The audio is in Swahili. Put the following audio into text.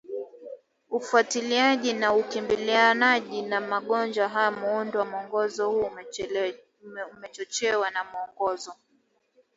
ufuatiliaji na ukabilianaji na magonjwa hayo Muundo wa Mwongozo huu umechochewa na Mwongozo